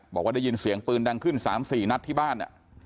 บอกว่าได้ยินเสียงปืนดังขึ้น๓๔นัดที่บ้าน